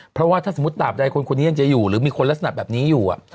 เพราะว่าถ้าสมมุติดาบใดคนคนนี้ยังจะอยู่หรือมีคนลักษณะแบบนี้อยู่